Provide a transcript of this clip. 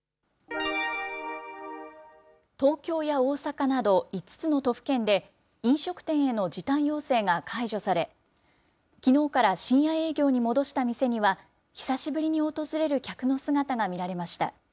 東京や大阪など５つの都府県で、飲食店への時短要請が解除され、きのうから深夜営業に戻した店には、久しぶりに訪れる客の姿が見られました。